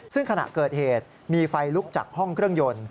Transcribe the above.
ซึ่งขณะเกิดเหตุมีไฟลุกจากห้องเครื่องยนต์